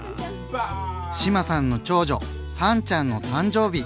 志麻さんの長女燦ちゃんの誕生日。